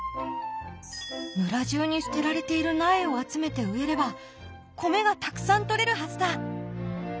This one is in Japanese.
村中に捨てられている苗を集めて植えれば米がたくさん採れるはずだ。